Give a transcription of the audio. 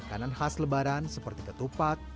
makanan khas lebaran seperti ketupat